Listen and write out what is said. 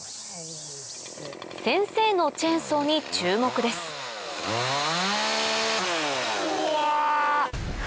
先生のチェーンソーに注目ですおわ！